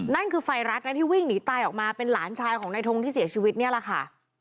นั่นคือไฟรัดนะที่วิ่งหนีตายออกมาเป็นหลานชายของนายทงที่เสียชีวิตเนี่ยแหละค่ะ